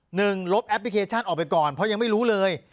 ลบแอปพลิเคชันออกไปก่อนเพราะยังไม่รู้เลย